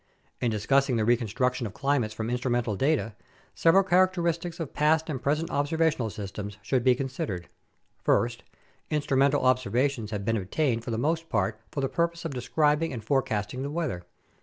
In discussing the reconstruction of climates from instrumental data, several characteristics of past and present observational systems should APPENDIX A 135 be considered. First, instrumental observations have been obtained for the most part for the purpose of describing and forecasting the weather.